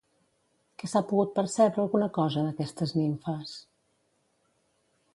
Què s'ha pogut percebre alguna cosa d'aquestes nimfes?